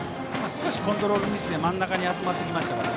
少しコントロールミスで真ん中に集まってきましたから。